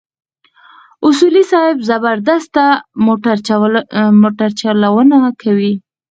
اصولي صیب زبردسته موټرچلونه کوله.